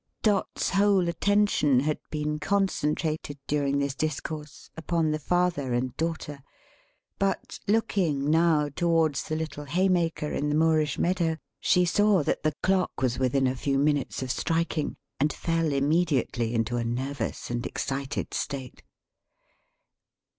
Dot's whole attention had been concentrated, during this discourse, upon the father and daughter; but looking, now, towards the little Haymaker in the Moorish meadow, she saw that the clock was within a few minutes of striking; and fell, immediately, into a nervous and excited state.